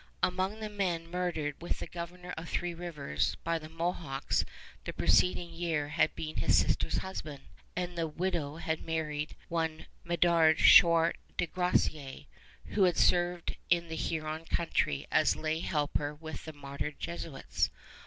Among the men murdered with the Governor of Three Rivers by the Mohawks the preceding year had been his sister's husband, and the widow had married one Medard Chouart de Groseillers, who had served in the Huron country as a lay helper with the martyred Jesuits.